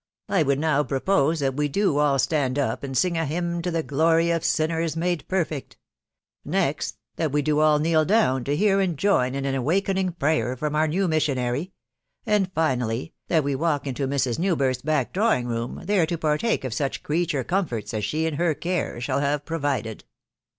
I would now propose that w» do all stand up, and sing a hymn to the glory of sinners made perfect .... Next, that we do all kneel down to hear and join in at awakening prayer from our new missionary ; and, finally, that we walk into Mrs. NewbirthV back drawing teem, then ts partake of such creature waniotU *&&& ul her. care shall bare provided."